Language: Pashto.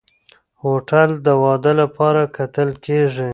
هوټل د واده لپاره کتل کېږي.